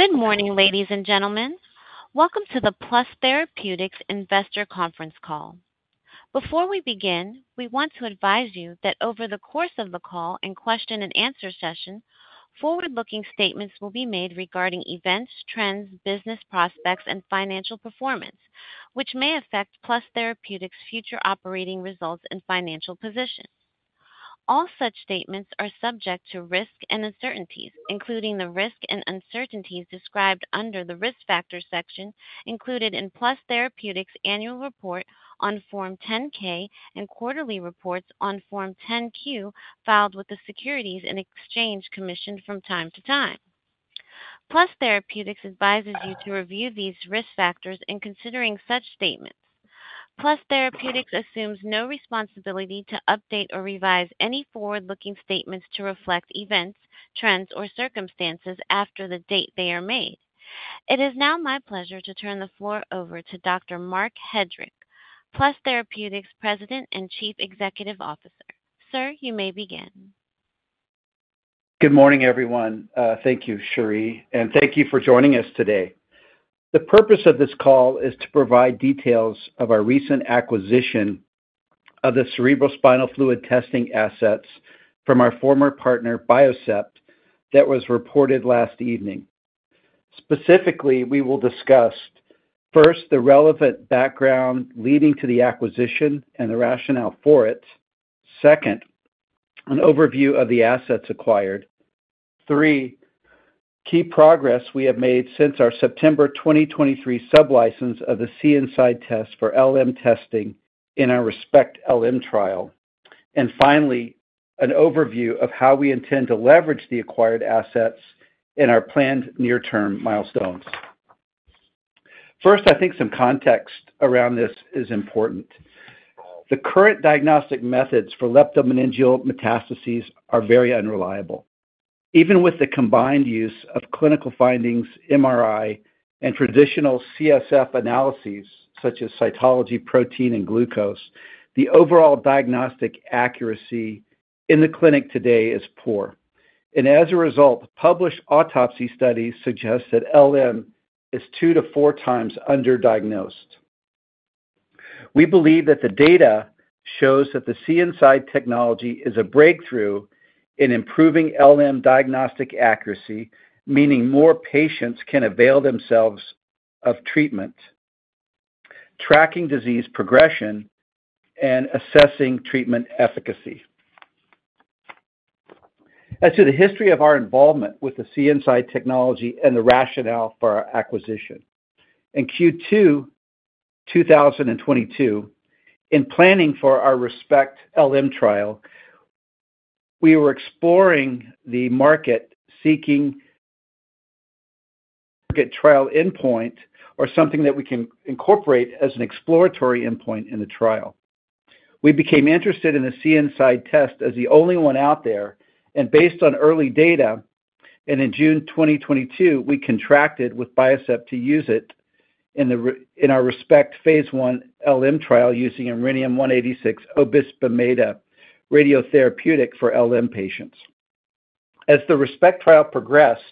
Good morning, ladies and gentlemen. Welcome to the Plus Therapeutics Investor Conference Call. Before we begin, we want to advise you that over the course of the call and question-and-answer session, forward-looking statements will be made regarding events, trends, business prospects, and financial performance, which may affect Plus Therapeutics' future operating results and financial position. All such statements are subject to risk and uncertainties, including the risk and uncertainties described under the risk factors section included in Plus Therapeutics' annual report on Form 10-K and quarterly reports on Form 10-Q filed with the Securities and Exchange Commission from time to time. Plus Therapeutics advises you to review these risk factors in considering such statements. Plus Therapeutics assumes no responsibility to update or revise any forward-looking statements to reflect events, trends, or circumstances after the date they are made. It is now my pleasure to turn the floor over to Dr. Marc Hedrick, Plus Therapeutics' President and Chief Executive Officer. Sir, you may begin. Good morning, everyone. Thank you, Sherri, and thank you for joining us today. The purpose of this call is to provide details of our recent acquisition of the cerebrospinal fluid testing assets from our former partner, Biocept, that was reported last evening. Specifically, we will discuss: first, the relevant background leading to the acquisition and the rationale for it. Second, an overview of the assets acquired. Three, key progress we have made since our September 2023 sublicense of the CNSide test for LM testing in our ReSPECT-LM trial. And finally, an overview of how we intend to leverage the acquired assets in our planned near-term milestones. First, I think some context around this is important. The current diagnostic methods for leptomeningeal metastases are very unreliable. Even with the combined use of clinical findings, MRI, and traditional CSF analyses such as cytology, protein, and glucose, the overall diagnostic accuracy in the clinic today is poor. As a result, published autopsy studies suggest that LM is two to four times underdiagnosed. We believe that the data shows that the CNSide technology is a breakthrough in improving LM diagnostic accuracy, meaning more patients can avail themselves of treatment, tracking disease progression, and assessing treatment efficacy. As to the history of our involvement with the CNSide technology and the rationale for our acquisition: in Q2 2022, in planning for our ReSPECT-LM trial, we were exploring the market seeking a trial endpoint or something that we can incorporate as an exploratory endpoint in the trial. We became interested in the CNSide test as the only one out there, and based on early data, and in June 2022, we contracted with Biocept to use it in our ReSPECT Phase I LM trial using Rhenium (186Re) Obisbemeda radiotherapeutic for LM patients. As the ReSPECT trial progressed,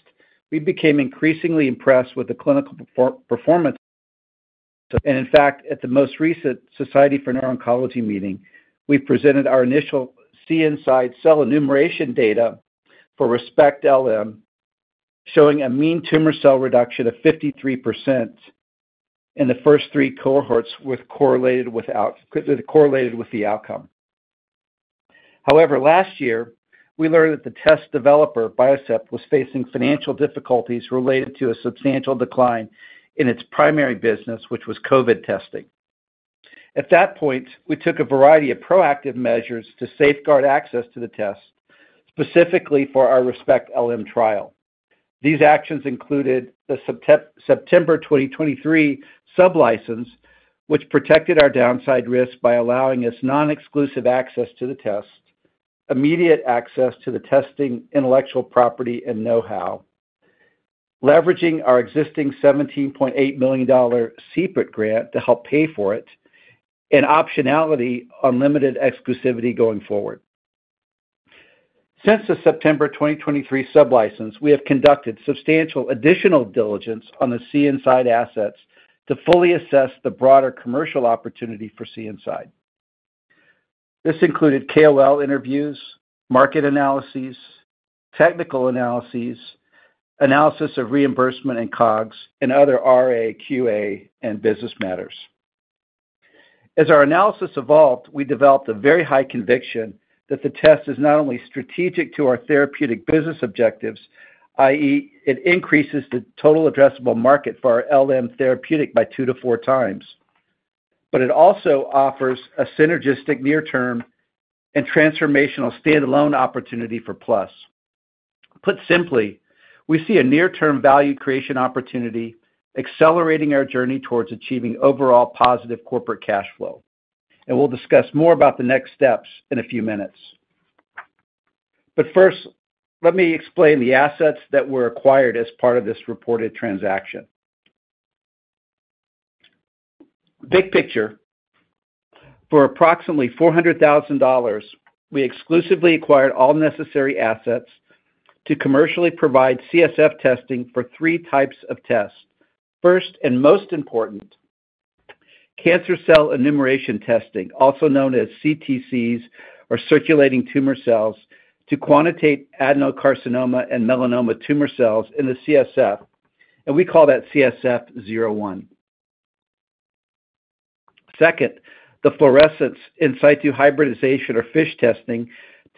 we became increasingly impressed with the clinical performance, and in fact, at the most recent Society for Neuro-Oncology meeting, we presented our initial CNSide cell enumeration data for ReSPECT LM showing a mean tumor cell reduction of 53% in the first three cohorts that correlated with the outcome. However, last year, we learned that the test developer, Biocept, was facing financial difficulties related to a substantial decline in its primary business, which was COVID testing. At that point, we took a variety of proactive measures to safeguard access to the test, specifically for our ReSPECT LM trial. These actions included the September 2023 sublicense, which protected our downside risk by allowing us non-exclusive access to the test, immediate access to the testing intellectual property and know-how, leveraging our existing $17.8 million CPRIT grant to help pay for it, and optionality on limited exclusivity going forward. Since the September 2023 sublicense, we have conducted substantial additional diligence on the CNSide assets to fully assess the broader commercial opportunity for CNSide. This included KOL interviews, market analyses, technical analyses, analysis of reimbursement and COGS, and other RA, QA, and business matters. As our analysis evolved, we developed a very high conviction that the test is not only strategic to our therapeutic business objectives, i.e., it increases the total addressable market for our LM therapeutic by two to four times, but it also offers a synergistic near-term and transformational standalone opportunity for Plus. Put simply, we see a near-term value creation opportunity accelerating our journey towards achieving overall positive corporate cash flow, and we'll discuss more about the next steps in a few minutes. But first, let me explain the assets that were acquired as part of this reported transaction. Big picture: for approximately $400,000, we exclusively acquired all necessary assets to commercially provide CSF testing for three types of tests. First and most important, cancer cell enumeration testing, also known as CTCs or circulating tumor cells, to quantitate adenocarcinoma and melanoma tumor cells in the CSF, and we call that CSF-01. Second, the fluorescence in situ hybridization or FISH testing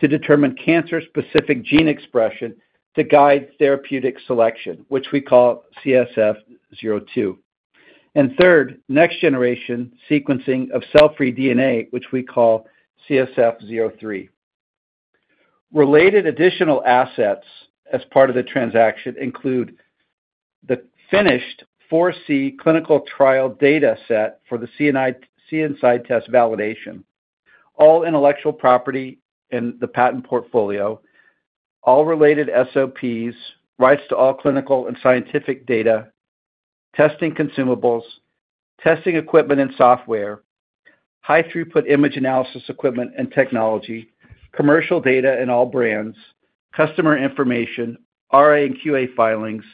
to determine cancer-specific gene expression to guide therapeutic selection, which we call CSF-02. And third, next-generation sequencing of cell-free DNA, which we call CSF-03. Related additional assets as part of the transaction include the finished FORESEE clinical trial data set for the CNSide test validation, all intellectual property in the patent portfolio, all related SOPs, rights to all clinical and scientific data, testing consumables, testing equipment and software, high-throughput image analysis equipment and technology, commercial data in all brands, customer information, RA and QA filings,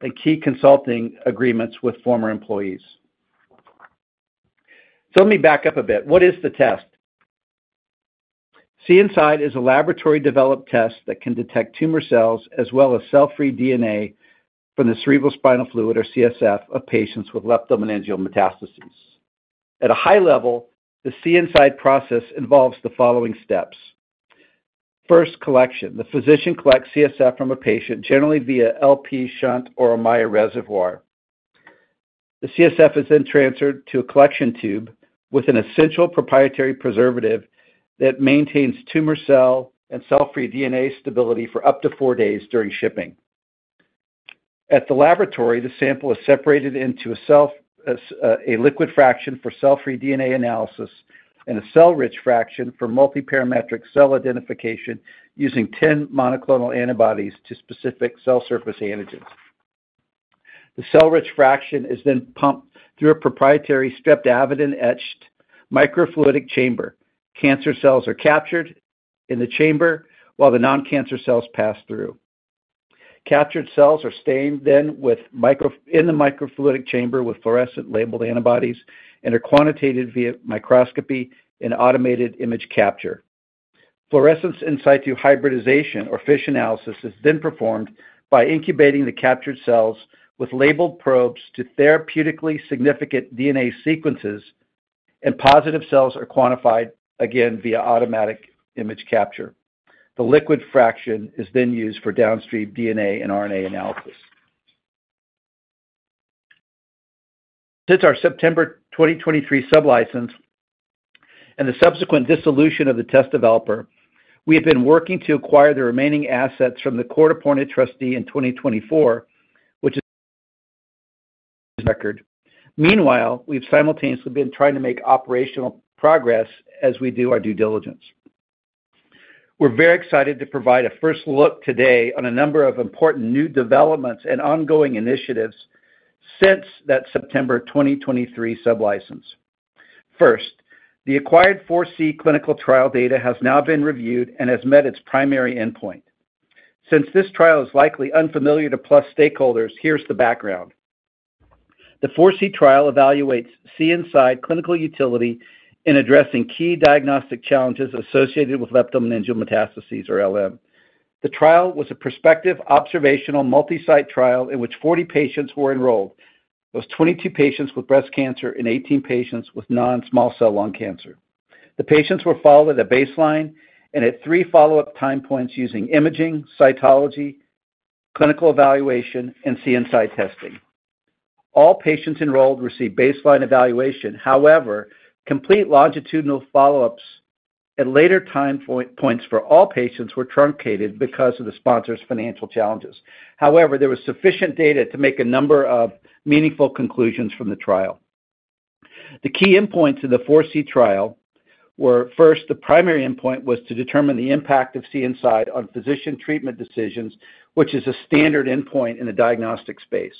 and key consulting agreements with former employees. So let me back up a bit. What is the test? CNSide is a laboratory-developed test that can detect tumor cells as well as cell-free DNA from the cerebrospinal fluid or CSF of patients with leptomeningeal metastases. At a high level, the CNSide process involves the following steps. First, collection. The physician collects CSF from a patient, generally via LP, shunt, or an Ommaya reservoir. The CSF is then transferred to a collection tube with an essential proprietary preservative that maintains tumor cell and cell-free DNA stability for up to four days during shipping. At the laboratory, the sample is separated into a liquid fraction for cell-free DNA analysis and a cell-rich fraction for multiparametric cell identification using 10 monoclonal antibodies to specific cell surface antigens. The cell-rich fraction is then pumped through a proprietary streptavidin-etched microfluidic chamber. Cancer cells are captured in the chamber while the non-cancer cells pass through. Captured cells are stained then in the microfluidic chamber with fluorescent-labeled antibodies and are quantitated via microscopy and automated image capture. Fluorescence in situ hybridization or FISH analysis is then performed by incubating the captured cells with labeled probes to therapeutically significant DNA sequences, and positive cells are quantified again via automatic image capture. The liquid fraction is then used for downstream DNA and RNA analysis. Since our September 2023 sublicense and the subsequent dissolution of the test developer, we have been working to acquire the remaining assets from the court-appointed trustee in 2024, which is on record. Meanwhile, we've simultaneously been trying to make operational progress as we do our due diligence. We're very excited to provide a first look today on a number of important new developments and ongoing initiatives since that September 2023 sublicense. First, the acquired FORESEE clinical trial data has now been reviewed and has met its primary endpoint. Since this trial is likely unfamiliar to Plus stakeholders, here's the background. The FORESEE trial evaluates CNSide clinical utility in addressing key diagnostic challenges associated with leptomeningeal metastases or LM. The trial was a prospective observational multi-site trial in which 40 patients were enrolled. There were 22 patients with breast cancer and 18 patients with non-small cell lung cancer. The patients were followed at a baseline and at three follow-up time points using imaging, cytology, clinical evaluation, and CNSide testing. All patients enrolled received baseline evaluation. However, complete longitudinal follow-ups at later time points for all patients were truncated because of the sponsor's financial challenges. However, there was sufficient data to make a number of meaningful conclusions from the trial. The key endpoints of the FORESEE trial were first, the primary endpoint was to determine the impact of CNSide on physician treatment decisions, which is a standard endpoint in the diagnostic space.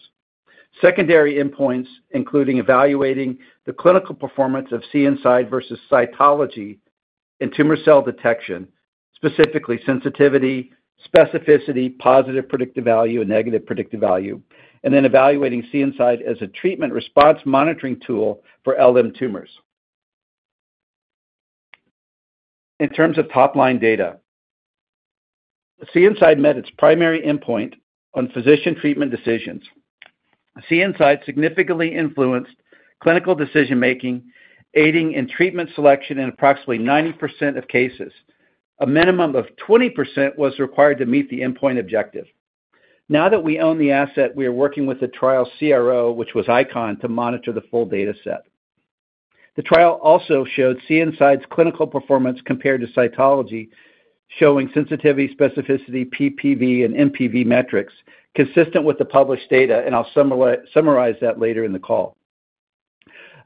Secondary endpoints including evaluating the clinical performance of CNSide versus cytology and tumor cell detection, specifically sensitivity, specificity, positive predictive value, and negative predictive value, and then evaluating CNSide as a treatment response monitoring tool for LM tumors. In terms of top-line data, CNSide met its primary endpoint on physician treatment decisions. CNSide significantly influenced clinical decision-making, aiding in treatment selection in approximately 90% of cases. A minimum of 20% was required to meet the endpoint objective. Now that we own the asset, we are working with the trial CRO, which was ICON, to monitor the full data set. The trial also showed CNSide's clinical performance compared to cytology, showing sensitivity, specificity, PPV, and NPV metrics consistent with the published data, and I'll summarize that later in the call.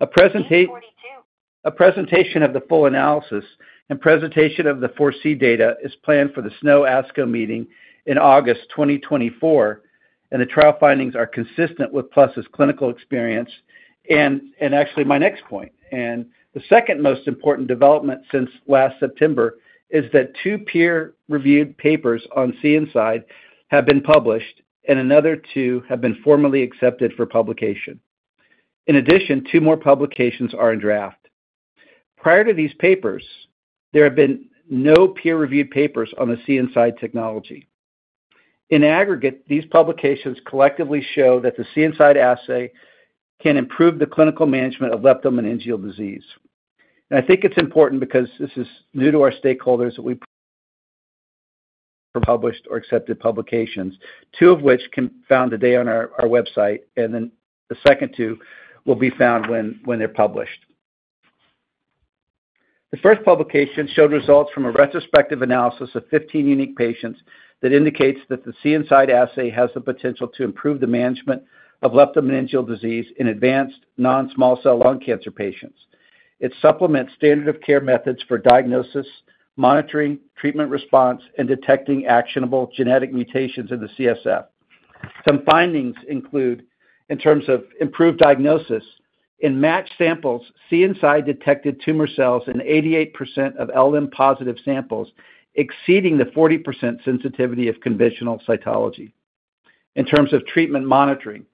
A presentation of the full analysis and presentation of the FORESEE data is planned for the SNO-ASCO meeting in August 2024, and the trial findings are consistent with Plus's clinical experience. Actually, my next point, and the second most important development since last September, is that two peer-reviewed papers on CNSide have been published, and another two have been formally accepted for publication. In addition, two more publications are in draft. Prior to these papers, there have been no peer-reviewed papers on the CNSide technology. In aggregate, these publications collectively show that the CNSide assay can improve the clinical management of leptomeningeal disease. And I think it's important because this is new to our stakeholders that we publish or accepted publications, two of which can be found today on our website, and then the second two will be found when they're published. The first publication showed results from a retrospective analysis of 15 unique patients that indicates that the CNSide assay has the potential to improve the management of leptomeningeal disease in advanced non-small cell lung cancer patients. It supplements standard of care methods for diagnosis, monitoring, treatment response, and detecting actionable genetic mutations in the CSF. Some findings include, in terms of improved diagnosis, in matched samples, CNSide detected tumor cells in 88% of LM-positive samples exceeding the 40% sensitivity of conventional cytology. In terms of treatment monitoring,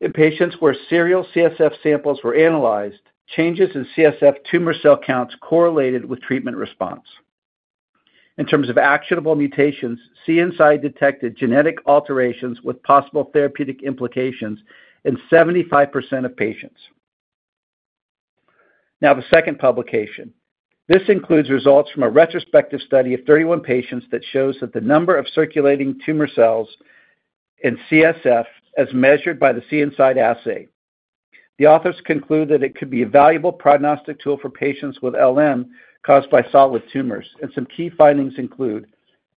in patients where serial CSF samples were analyzed, changes in CSF tumor cell counts correlated with treatment response. In terms of actionable mutations, CNSide detected genetic alterations with possible therapeutic implications in 75% of patients. Now, the second publication. This includes results from a retrospective study of 31 patients that shows that the number of circulating tumor cells in CSF is measured by the CNSide assay. The authors conclude that it could be a valuable prognostic tool for patients with LM caused by solid tumors, and some key findings include: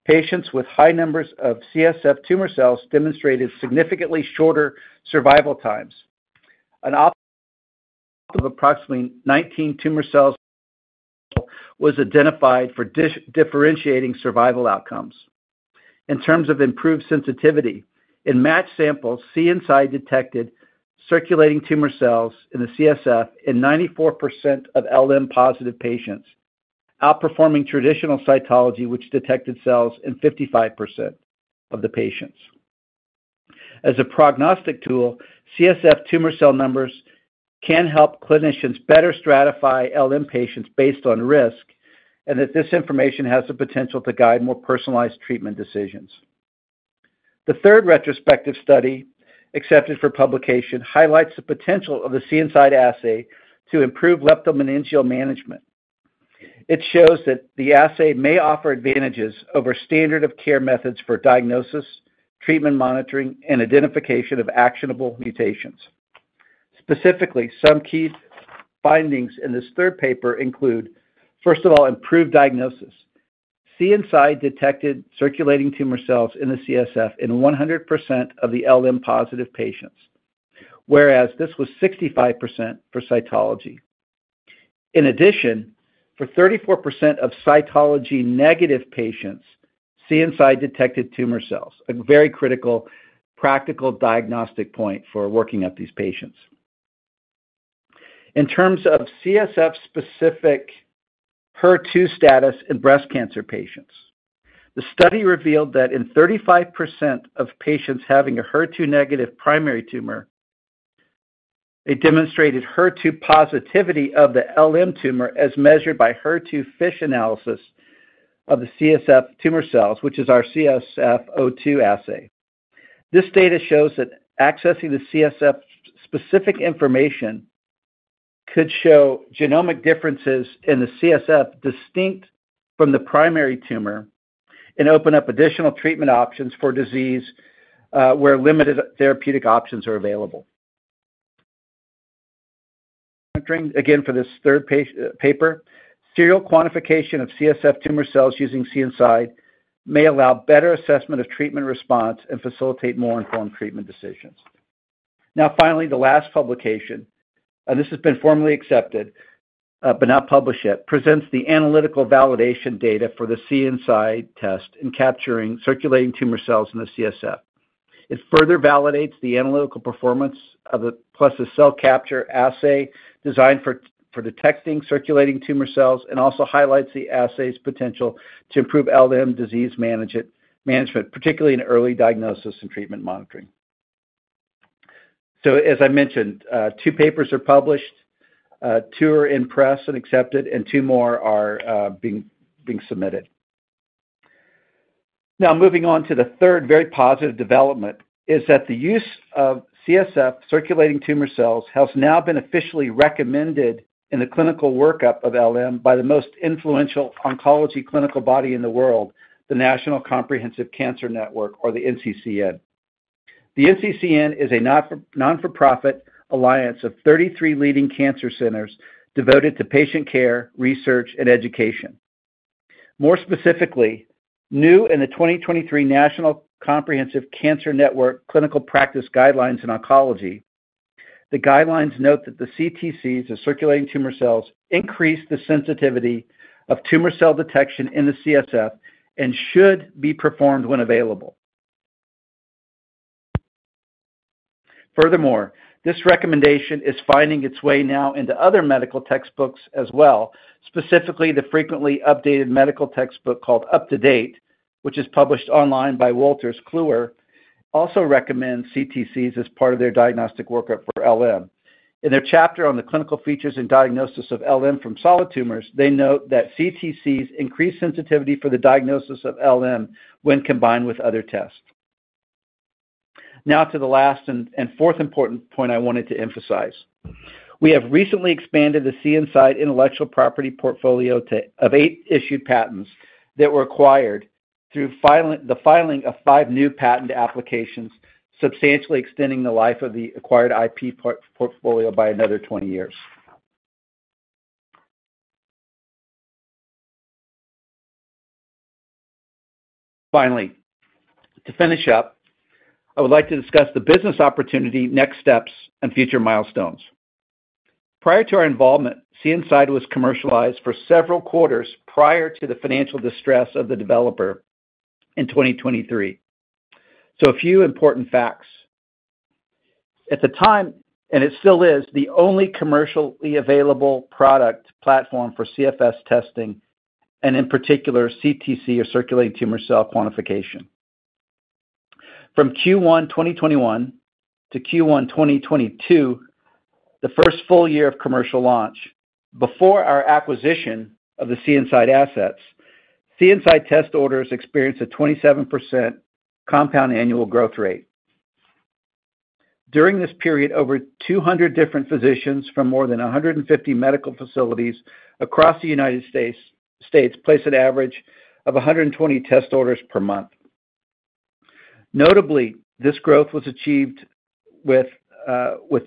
patients with high numbers of CSF tumor cells demonstrated significantly shorter survival times. A cutoff of approximately 19 tumor cells was identified for differentiating survival outcomes. In terms of improved sensitivity, in matched samples, CNSide detected circulating tumor cells in the CSF in 94% of LM-positive patients, outperforming traditional cytology, which detected cells in 55% of the patients. As a prognostic tool, CSF tumor cell numbers can help clinicians better stratify LM patients based on risk, and that this information has the potential to guide more personalized treatment decisions. The third retrospective study, accepted for publication, highlights the potential of the CNSide assay to improve leptomeningeal management. It shows that the assay may offer advantages over standard of care methods for diagnosis, treatment monitoring, and identification of actionable mutations. Specifically, some key findings in this third paper include, first of all, improved diagnosis. CNSide detected circulating tumor cells in the CSF in 100% of the LM-positive patients, whereas this was 65% for cytology. In addition, for 34% of cytology-negative patients, CNSide detected tumor cells, a very critical practical diagnostic point for working up these patients. In terms of CSF-specific HER2 status in breast cancer patients, the study revealed that in 35% of patients having a HER2-negative primary tumor, it demonstrated HER2 positivity of the LM tumor as measured by HER2 FISH analysis of the CSF tumor cells, which is our CSF-02 assay. This data shows that accessing the CSF-specific information could show genomic differences in the CSF distinct from the primary tumor and open up additional treatment options for disease where limited therapeutic options are available. Again, for this third paper, serial quantification of CSF tumor cells using CNSide may allow better assessment of treatment response and facilitate more informed treatment decisions. Now, finally, the last publication, and this has been formally accepted but not published yet, presents the analytical validation data for the CNSide test in capturing circulating tumor cells in the CSF. It further validates the analytical performance of the Plus' cell capture assay designed for detecting circulating tumor cells and also highlights the assay's potential to improve LM disease management, particularly in early diagnosis and treatment monitoring. So, as I mentioned, two papers are published. Two are in press and accepted, and two more are being submitted. Now, moving on to the third very positive development is that the use of CSF circulating tumor cells has now been officially recommended in the clinical workup of LM by the most influential oncology clinical body in the world, the National Comprehensive Cancer Network, or the NCCN. The NCCN is a not-for-profit alliance of 33 leading cancer centers devoted to patient care, research, and education. More specifically, new in the 2023 National Comprehensive Cancer Network Clinical Practice Guidelines in Oncology, the guidelines note that the CTCs of circulating tumor cells increase the sensitivity of tumor cell detection in the CSF and should be performed when available. Furthermore, this recommendation is finding its way now into other medical textbooks as well, specifically the frequently updated medical textbook called UpToDate, which is published online by Wolters Kluwer, also recommends CTCs as part of their diagnostic workup for LM. In their chapter on the clinical features and diagnosis of LM from solid tumors, they note that CTCs increase sensitivity for the diagnosis of LM when combined with other tests. Now, to the last and fourth important point I wanted to emphasize. We have recently expanded the CNSide intellectual property portfolio of 8 issued patents that were acquired through the filing of 5 new patent applications, substantially extending the life of the acquired IP portfolio by another 20 years. Finally, to finish up, I would like to discuss the business opportunity, next steps, and future milestones. Prior to our involvement, CNSide was commercialized for several quarters prior to the financial distress of the developer in 2023. So, a few important facts. At the time, and it still is, the only commercially available product platform for CSF testing and, in particular, CTC or circulating tumor cell quantification. From Q1 2021 to Q1 2022, the first full year of commercial launch, before our acquisition of the CNSide assets, CNSide test orders experienced a 27% compound annual growth rate. During this period, over 200 different physicians from more than 150 medical facilities across the United States placed an average of 120 test orders per month. Notably, this growth was achieved with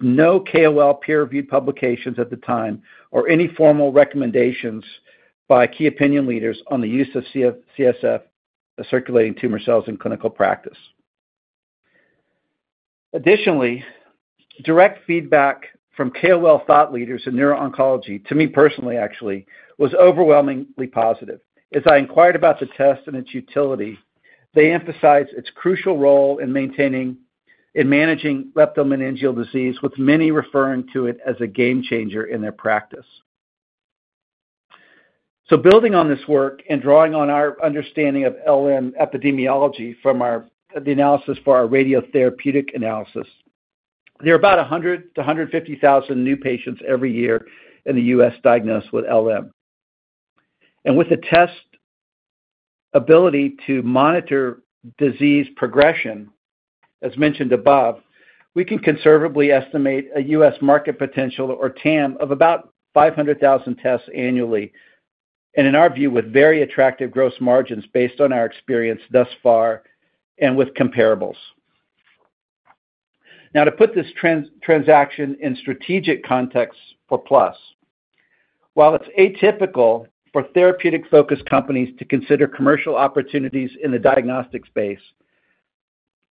no KOL peer-reviewed publications at the time or any formal recommendations by key opinion leaders on the use of CSF circulating tumor cells in clinical practice. Additionally, direct feedback from KOL thought leaders in neuro-oncology, to me personally, actually, was overwhelmingly positive. As I inquired about the test and its utility, they emphasized its crucial role in managing leptomeningeal disease, with many referring to it as a game changer in their practice. So, building on this work and drawing on our understanding of LM epidemiology from the analysis for our radiotherapeutic analysis, there are about 100,000-150,000 new patients every year in the U.S. diagnosed with LM. With the test ability to monitor disease progression, as mentioned above, we can conservatively estimate a U.S. market potential or TAM of about 500,000 tests annually, and in our view, with very attractive gross margins based on our experience thus far and with comparables. Now, to put this transaction in strategic context for Plus, while it's atypical for therapeutic-focused companies to consider commercial opportunities in the diagnostic space,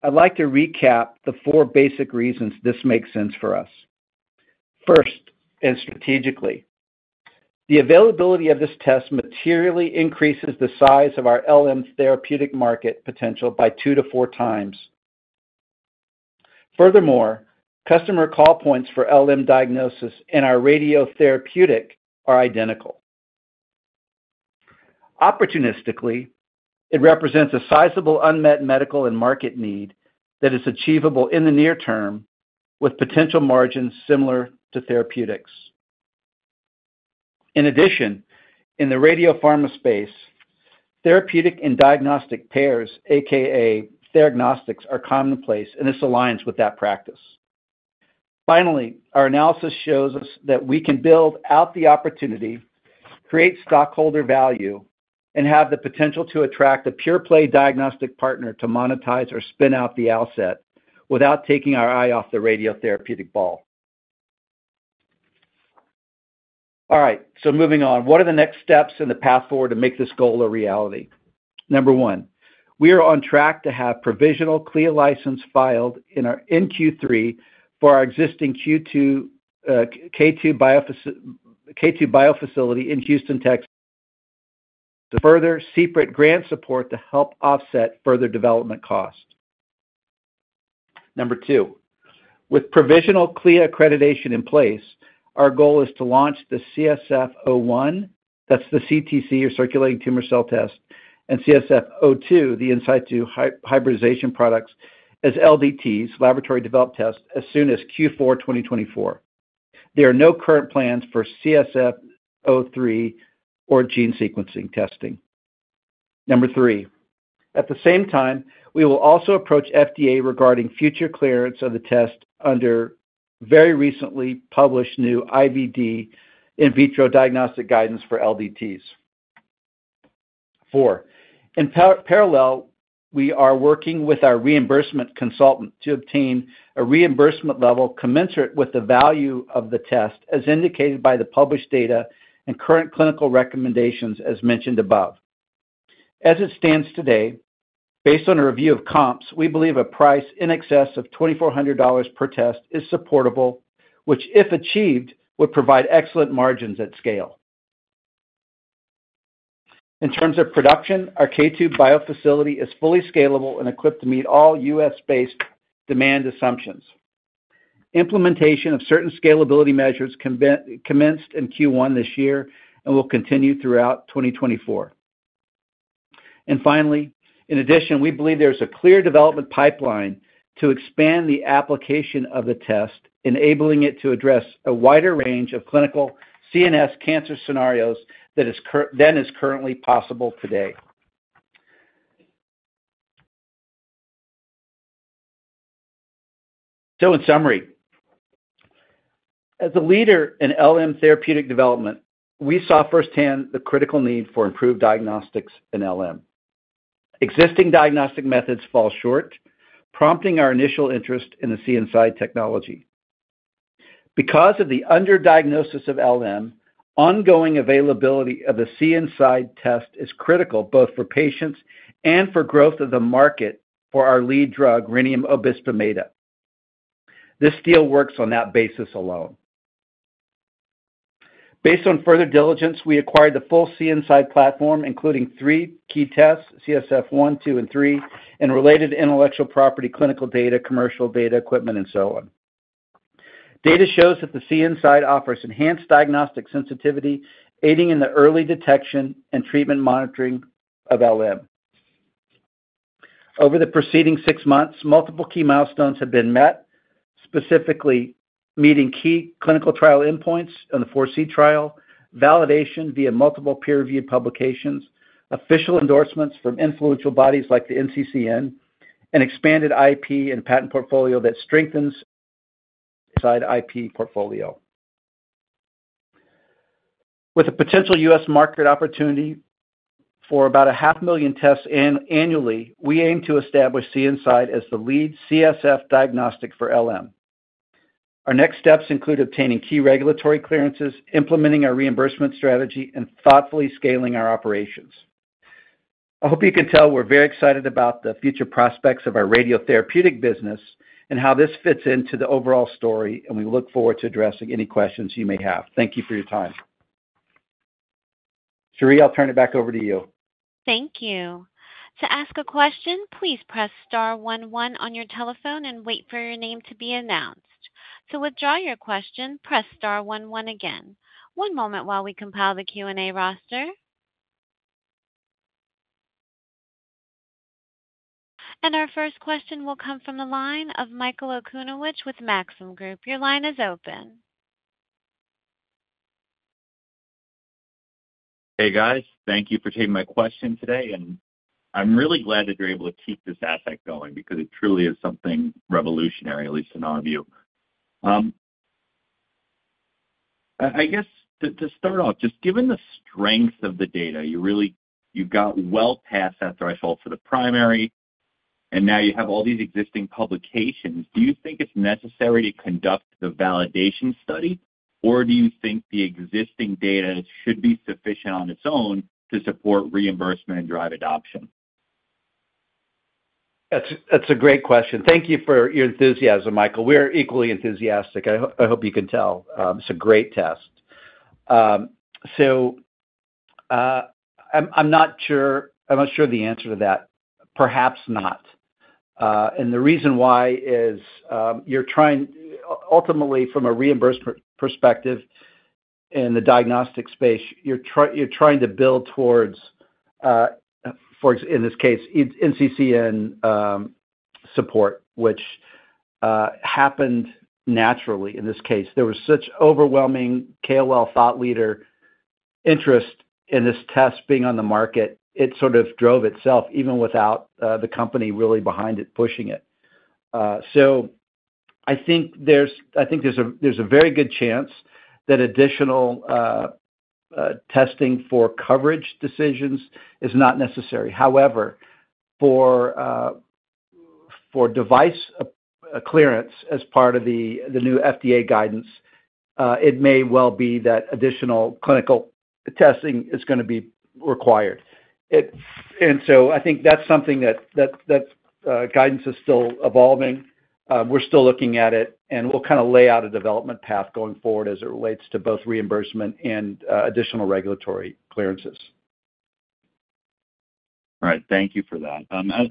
I'd like to recap the four basic reasons this makes sense for us. First, and strategically, the availability of this test materially increases the size of our LM therapeutic market potential by two to four times. Furthermore, customer call points for LM diagnosis in our radiotherapeutic are identical. Opportunistically, it represents a sizable unmet medical and market need that is achievable in the near term with potential margins similar to therapeutics. In addition, in the radiopharma space, therapeutic and diagnostic pairs, a.k.a. theragnostics, are commonplace, and this aligns with that practice. Finally, our analysis shows us that we can build out the opportunity, create stockholder value, and have the potential to attract a pure-play diagnostic partner to monetize or spin out the asset without taking our eye off the radiotherapeutic ball. All right, so moving on. What are the next steps in the path forward to make this goal a reality? Number one, we are on track to have provisional CLIA license filed in our NGS for our existing K2Bio facility in Houston, Texas, to further CPRIT grant support to help offset further development costs. Number two, with provisional CLIA accreditation in place, our goal is to launch the CSF-01, that's the CTC or circulating tumor cell test, and CSF-02, the in situ hybridization products, as LDTs, laboratory developed tests, as soon as Q4 2024. There are no current plans for CSF-03 or gene sequencing testing. Number three, at the same time, we will also approach FDA regarding future clearance of the test under very recently published new IVD in vitro diagnostic guidance for LDTs. Four, in parallel, we are working with our reimbursement consultant to obtain a reimbursement level commensurate with the value of the test as indicated by the published data and current clinical recommendations as mentioned above. As it stands today, based on a review of comps, we believe a price in excess of $2,400 per test is supportable, which, if achieved, would provide excellent margins at scale. In terms of production, our K2bio facility is fully scalable and equipped to meet all US-based demand assumptions. Implementation of certain scalability measures commenced in Q1 this year and will continue throughout 2024. And finally, in addition, we believe there is a clear development pipeline to expand the application of the test, enabling it to address a wider range of clinical CNS cancer scenarios than is currently possible today. So, in summary, as a leader in LM therapeutic development, we saw firsthand the critical need for improved diagnostics in LM. Existing diagnostic methods fall short, prompting our initial interest in the CNSide technology. Because of the under-diagnosis of LM, ongoing availability of the CNSide test is critical both for patients and for growth of the market for our lead drug, Rhenium (186Re) Obisbemeda. This deal works on that basis alone. Based on further diligence, we acquired the full CNSide platform, including three key tests, CSF-01, CSF-02, and CSF-03, and related intellectual property, clinical data, commercial data, equipment, and so on. Data shows that the CNSide offers enhanced diagnostic sensitivity, aiding in the early detection and treatment monitoring of LM. Over the preceding six months, multiple key milestones have been met, specifically meeting key clinical trial endpoints on the FORESEE trial, validation via multiple peer-reviewed publications, official endorsements from influential bodies like the NCCN, and expanded IP and patent portfolio that strengthens CNSide IP portfolio. With a potential U.S. market opportunity for about 500,000 tests annually, we aim to establish CNSide as the lead CSF diagnostic for LM. Our next steps include obtaining key regulatory clearances, implementing our reimbursement strategy, and thoughtfully scaling our operations. I hope you can tell we're very excited about the future prospects of our radiotherapeutic business and how this fits into the overall story, and we look forward to addressing any questions you may have. Thank you for your time. Sherri, I'll turn it back over to you. Thank you. To ask a question, please press star 11 on your telephone and wait for your name to be announced. To withdraw your question, press star 11 again. One moment while we compile the Q&A roster. Our first question will come from the line of Michael Okunewitch with Maxim Group. Your line is open. Hey guys, thank you for taking my question today, and I'm really glad that you're able to keep this asset going because it truly is something revolutionary, at least in our view. I guess to start off, just given the strength of the data, you've got well past that threshold for the primary, and now you have all these existing publications, do you think it's necessary to conduct the validation study, or do you think the existing data should be sufficient on its own to support reimbursement and drive adoption? That's a great question. Thank you for your enthusiasm, Michael. We're equally enthusiastic. I hope you can tell. It's a great test. I'm not sure the answer to that. Perhaps not. The reason why is you're trying, ultimately, from a reimbursement perspective in the diagnostic space, you're trying to build towards, in this case, NCCN support, which happened naturally. In this case, there was such overwhelming KOL thought leader interest in this test being on the market, it sort of drove itself even without the company really behind it pushing it. So I think there's a very good chance that additional testing for coverage decisions is not necessary. However, for device clearance as part of the new FDA guidance, it may well be that additional clinical testing is going to be required. And so I think that's something that guidance is still evolving. We're still looking at it, and we'll kind of lay out a development path going forward as it relates to both reimbursement and additional regulatory clearances. All right. Thank you for that.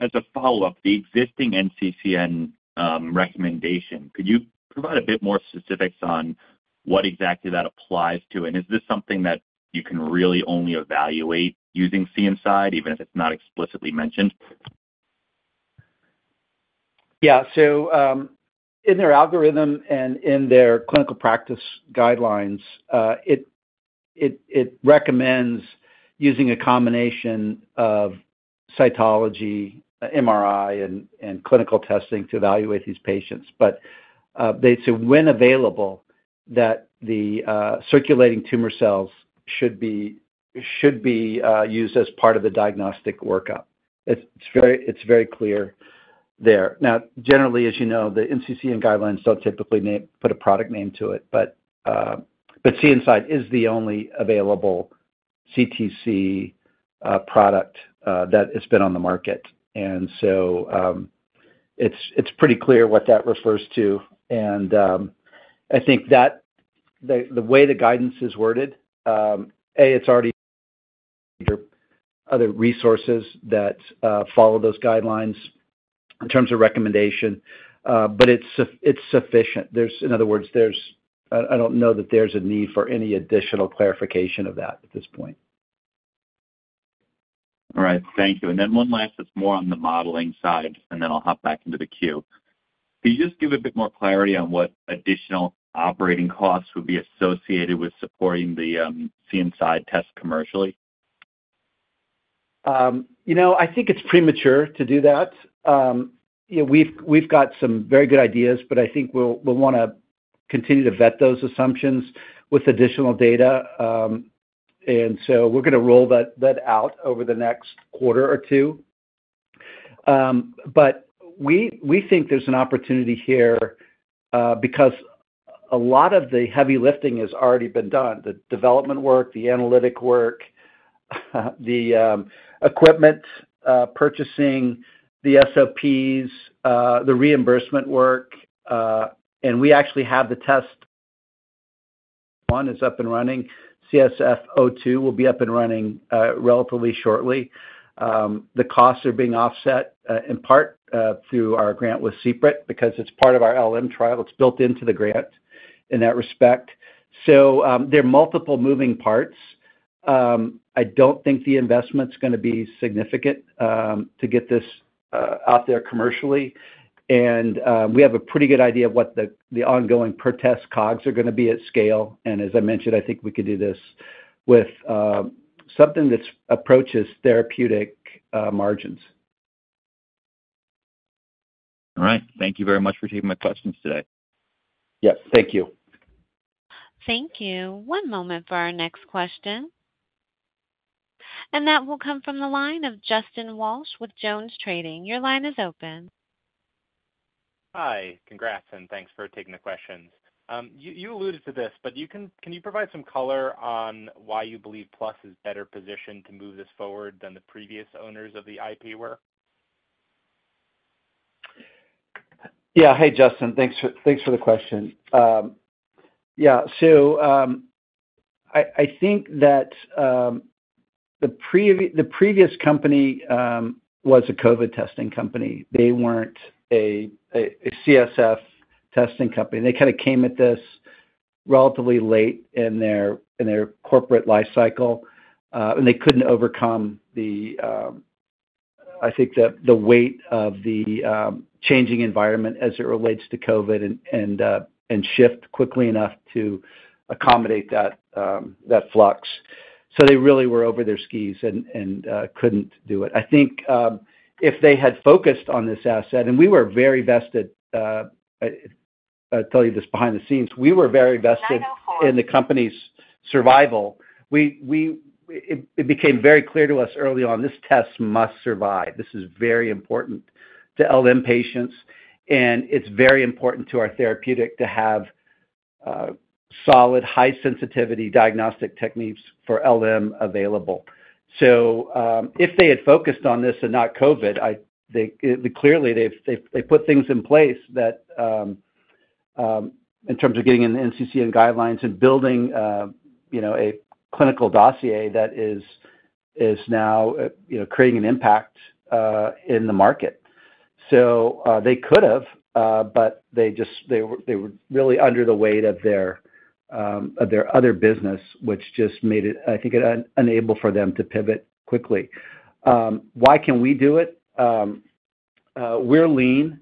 As a follow-up, the existing NCCN recommendation, could you provide a bit more specifics on what exactly that applies to, and is this something that you can really only evaluate using CNSide, even if it's not explicitly mentioned? Yeah. So in their algorithm and in their clinical practice guidelines, it recommends using a combination of cytology, MRI, and clinical testing to evaluate these patients. But they'd say when available that the circulating tumor cells should be used as part of the diagnostic workup. It's very clear there. Now, generally, as you know, the NCCN guidelines don't typically put a product name to it, but CNSide is the only available CTC product that has been on the market. And so it's pretty clear what that refers to. And I think the way the guidance is worded, A, it's already other resources that follow those guidelines in terms of recommendation, but it's sufficient. In other words, I don't know that there's a need for any additional clarification of that at this point. All right. Thank you. And then one last that's more on the modeling side, and then I'll hop back into the queue. Could you just give a bit more clarity on what additional operating costs would be associated with supporting the CNSide test commercially? I think it's premature to do that. We've got some very good ideas, but I think we'll want to continue to vet those assumptions with additional data. And so we're going to roll that out over the next quarter or two. But we think there's an opportunity here because a lot of the heavy lifting has already been done, the development work, the analytic work, the equipment purchasing, the SOPs, the reimbursement work. And we actually have the test one is up and running. CSF-02 will be up and running relatively shortly. The costs are being offset in part through our grant with CPRIT because it's part of our LM trial. It's built into the grant in that respect. So there are multiple moving parts. I don't think the investment's going to be significant to get this out there commercially. And we have a pretty good idea of what the ongoing per-test COGS are going to be at scale. And as I mentioned, I think we could do this with something that approaches therapeutic margins. All right. Thank you very much for taking my questions today. Yes. Thank you. Thank you. One moment for our next question. That will come from the line of Justin Walsh with JonesTrading. Your line is open. Hi. Congrats, and thanks for taking the questions. You alluded to this, but can you provide some color on why you believe Plus is better positioned to move this forward than the previous owners of the IP work? Yeah. Hey, Justin. Thanks for the question. Yeah. So I think that the previous company was a COVID testing company. They weren't a CSF testing company. They kind of came at this relatively late in their corporate lifecycle, and they couldn't overcome, I think, the weight of the changing environment as it relates to COVID and shift quickly enough to accommodate that flux. So they really were over their skis and couldn't do it. I think if they had focused on this asset, and we were very vested, I'll tell you this behind the scenes, we were very vested in the company's survival. It became very clear to us early on, "This test must survive. This is very important to LM patients, and it's very important to our therapeutic to have solid, high-sensitivity diagnostic techniques for LM available." So if they had focused on this and not COVID, clearly, they put things in place in terms of getting in the NCCN guidelines and building a clinical dossier that is now creating an impact in the market. So they could have, but they were really under the weight of their other business, which just made it, I think, unable for them to pivot quickly. Why can we do it? We're lean.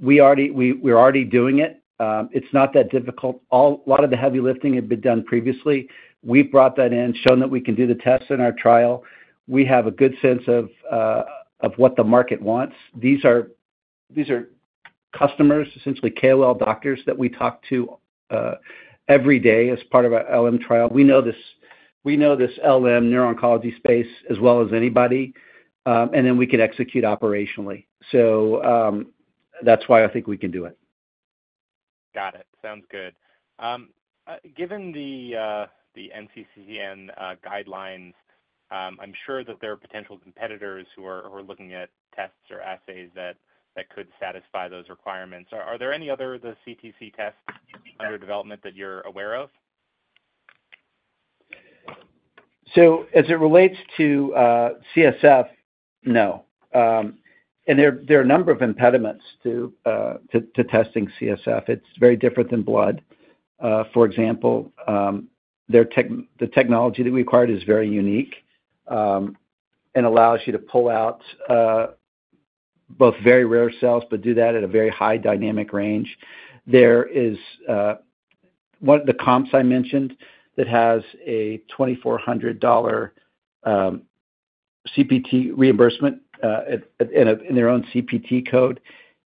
We're already doing it. It's not that difficult. A lot of the heavy lifting had been done previously. We brought that in, shown that we can do the tests in our trial. We have a good sense of what the market wants. These are customers, essentially KOL doctors, that we talk to every day as part of our LM trial. We know this LM neuro-oncology space as well as anybody, and then we can execute operationally. So that's why I think we can do it. Got it. Sounds good. Given the NCCN guidelines, I'm sure that there are potential competitors who are looking at tests or assays that could satisfy those requirements. Are there any other CTC tests under development that you're aware of? So as it relates to CSF, no. And there are a number of impediments to testing CSF. It's very different than blood. For example, the technology that we acquired is very unique and allows you to pull out both very rare cells but do that at a very high dynamic range. One of the comps I mentioned that has a $2,400 CPT reimbursement in their own CPT code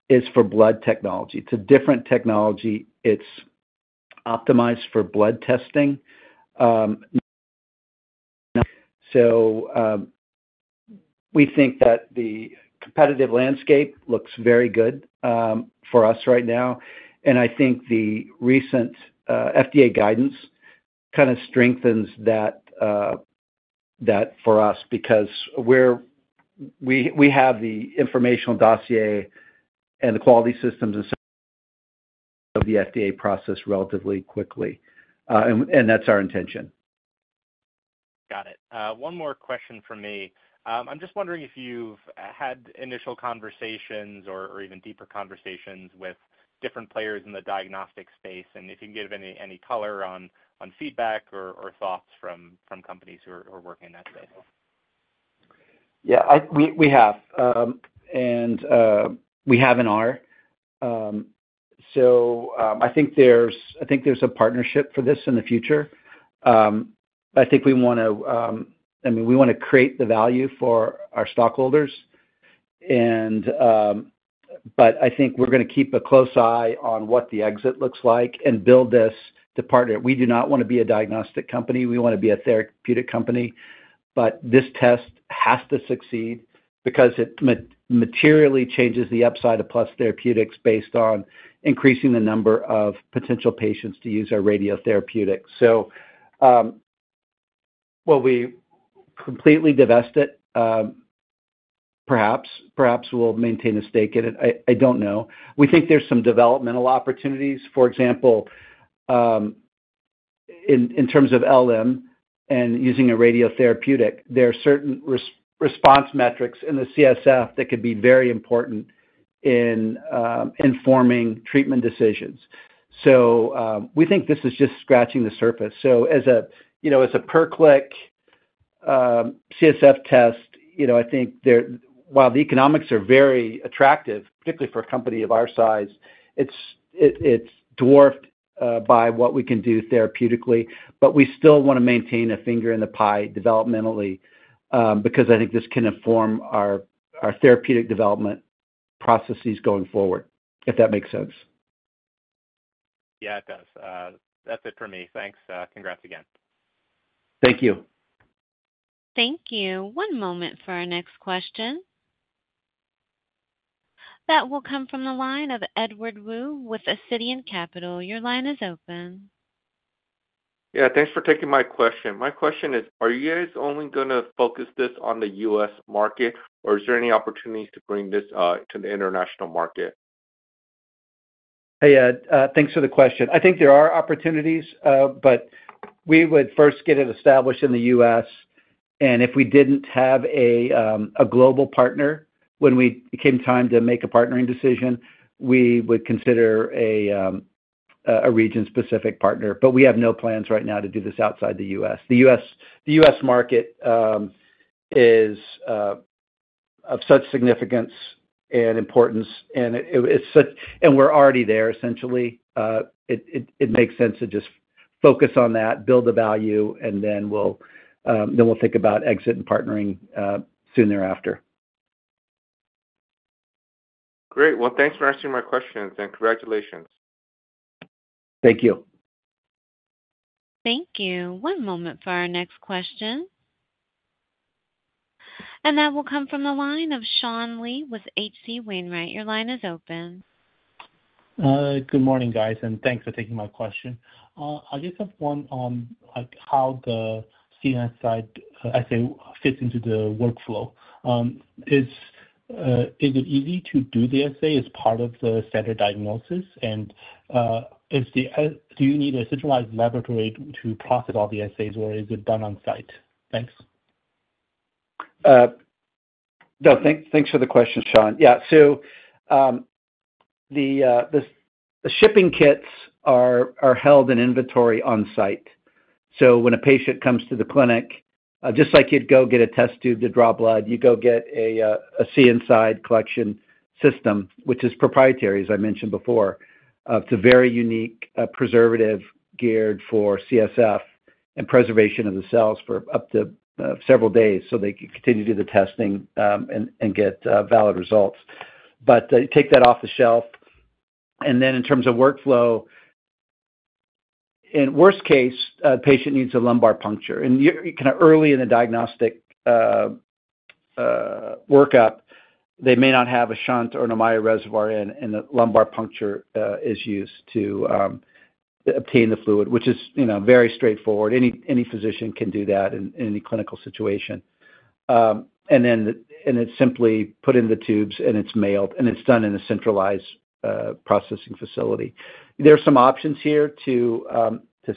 is for blood technology. It's a different technology. It's optimized for blood testing. So we think that the competitive landscape looks very good for us right now. And I think the recent FDA guidance kind of strengthens that for us because we have the informational dossier and the quality systems and so on of the FDA process relatively quickly, and that's our intention. Got it. One more question from me. I'm just wondering if you've had initial conversations or even deeper conversations with different players in the diagnostic space, and if you can give any color on feedback or thoughts from companies who are working in that space. Yeah. We have. And we have in our. So I think there's a partnership for this in the future. I think we want to, I mean, we want to create the value for our stockholders, but I think we're going to keep a close eye on what the exit looks like and build this to partner. We do not want to be a diagnostic company. We want to be a therapeutic company. But this test has to succeed because it materially changes the upside of Plus Therapeutics based on increasing the number of potential patients to use our radiotherapeutics. So will we completely divest it? Perhaps. Perhaps we'll maintain a stake in it. I don't know. We think there's some developmental opportunities. For example, in terms of LM and using a radiotherapeutic, there are certain response metrics in the CSF that could be very important in informing treatment decisions. So we think this is just scratching the surface. So as a per-click CSF test, I think while the economics are very attractive, particularly for a company of our size, it's dwarfed by what we can do therapeutically. But we still want to maintain a finger in the pie developmentally because I think this can inform our therapeutic development processes going forward, if that makes sense. Yeah. It does. That's it for me. Thanks. Congrats again. Thank you. Thank you. One moment for our next question. That will come from the line of Edward Woo with Ascendiant Capital. Your line is open. Yeah. Thanks for taking my question. My question is, are you guys only going to focus this on the U.S. market, or is there any opportunities to bring this to the international market? Hey Ed, thanks for the question. I think there are opportunities, but we would first get it established in the U.S. If we didn't have a global partner, when it came time to make a partnering decision, we would consider a region-specific partner. We have no plans right now to do this outside the U.S. The U.S. market is of such significance and importance, and we're already there, essentially. It makes sense to just focus on that, build the value, and then we'll think about exit and partnering soon thereafter. Great. Well, thanks for answering my questions, and congratulations. Thank you. Thank you. One moment for our next question. That will come from the line of Sean Lee with H.C. Wainwright. Your line is open. Good morning, guys, and thanks for taking my question. I just have one on how the CNSide assay fits into the workflow. Is it easy to do the assay as part of the standard diagnosis? And do you need a centralized laboratory to process all the assays, or is it done on-site? Thanks. No. Thanks for the question, Sean. Yeah. So the shipping kits are held in inventory on-site. So when a patient comes to the clinic, just like you'd go get a test tube to draw blood, you go get a CNSide collection system, which is proprietary, as I mentioned before. It's a very unique preservative geared for CSF and preservation of the cells for up to several days so they can continue to do the testing and get valid results. But you take that off the shelf. And then in terms of workflow, in worst case, the patient needs a lumbar puncture. And kind of early in the diagnostic workup, they may not have a shunt or an Ommaya reservoir in, and the lumbar puncture is used to obtain the fluid, which is very straightforward. Any physician can do that in any clinical situation. And then it's simply put in the tubes, and it's mailed, and it's done in a centralized processing facility. There are some options here to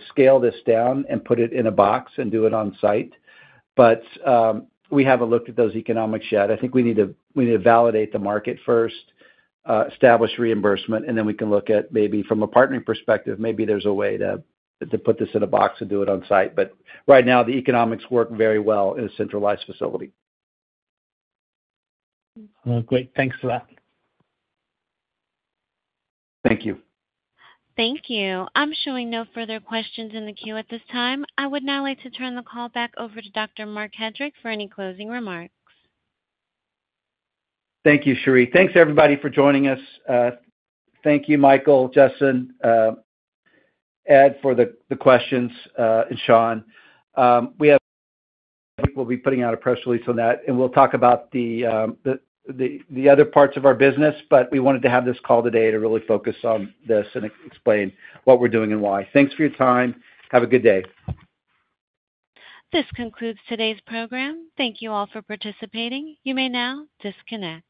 scale this down and put it in a box and do it on-site, but we haven't looked at those economics yet. I think we need to validate the market first, establish reimbursement, and then we can look at maybe from a partnering perspective, maybe there's a way to put this in a box and do it on-site. But right now, the economics work very well in a centralized facility. Great. Thanks for that. Thank you. Thank you. I'm showing no further questions in the queue at this time. I would now like to turn the call back over to Dr. Marc Hedrick for any closing remarks. Thank you, Sherri. Thanks, everybody, for joining us. Thank you, Michael, Justin, Ed, for the questions, and Sean. We will be putting out a press release on that, and we'll talk about the other parts of our business, but we wanted to have this call today to really focus on this and explain what we're doing and why. Thanks for your time. Have a good day. This concludes today's program. Thank you all for participating. You may now disconnect.